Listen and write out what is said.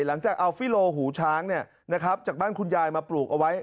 หลังจากเอาฟิโลหูช้างจากบ้านคุณยายมาปลูกเอาไว้